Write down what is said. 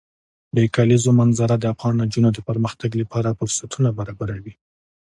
د کلیزو منظره د افغان نجونو د پرمختګ لپاره فرصتونه برابروي.